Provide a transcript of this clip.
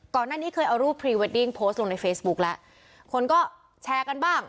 ก่อนหน้านี้เคยเอารูปพรีเวดดิ้งโพสต์ลงในเฟซบุ๊กแล้วคนก็แชร์กันบ้าง